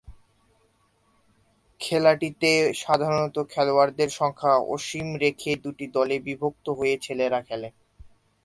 খেলাটিতে সাধারণত খেলোয়াড়ের সংখ্যা অসীম রেখে দুটি দলে বিভক্ত হয়ে ছেলেরা খেলে।